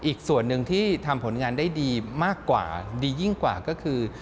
อีกส่วนหนึ่งที่ทำผลงานได้ดีมากกว่าดียิ่งกว่าก็คือ